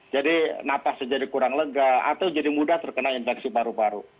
jadi napas menjadi kurang lega atau jadi mudah terkena infeksi paru paru